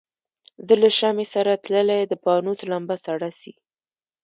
زه له شمعي سره تللی د پانوس لمبه سړه سي